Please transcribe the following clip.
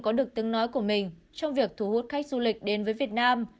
có được tiếng nói của mình trong việc thu hút khách du lịch đến với việt nam